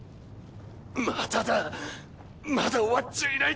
まだだまだ終わっちゃいない！